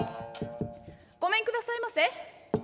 「ごめんくださいませ」。